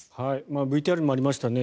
ＶＴＲにもありましたね。